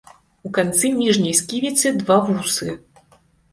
У канцы ніжняй сківіцы два вусы.